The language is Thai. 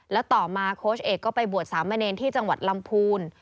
แล้วต่อมาโค้ชเอกก็ไปบวชสามเณรที่จังหวัดลำพูน